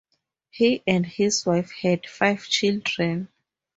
He and his wife had five children.